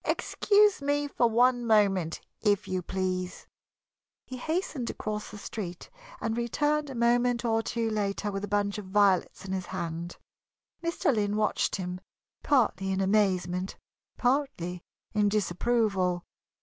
"Excuse me for one moment, if you please." He hastened across the street and returned a moment or two later with a bunch of violets in his hand. Mr. Lynn watched him, partly in amazement, partly in disapproval.